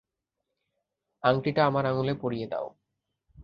আংটিটা আমার আঙুলে পরিয়ে দাও।